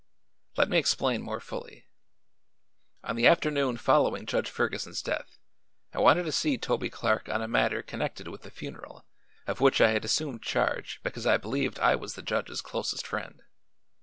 Let me explain more fully. On the afternoon following Judge Ferguson's death I wanted to see Toby Clark on a matter connected with the funeral, of which I had assumed charge because I believed I was the judge's closest friend.